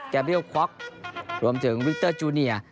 แกบิลคล็อกรวมถึงวิคเตอร์จูเนีย